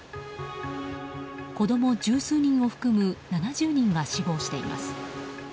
子供十数人を含む７０人が死亡しています。